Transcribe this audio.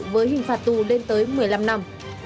với hình phạt tù lên tới một mươi năm năm